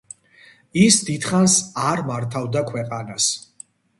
ის დიდხანს არ მართავდა ქვეყანას.